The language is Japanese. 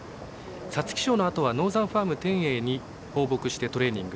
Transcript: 皐月賞のあとはノーザンファーム天栄に放牧して、トレーニング。